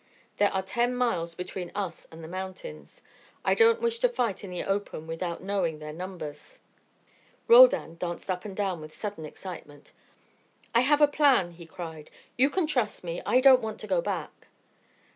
There are ten miles between us and the mountains. I don't wish to fight in the open without knowing their numbers." Roldan danced up and down with sudden excitement. "I have a plan," he cried. "You can trust me. I don't want to go back."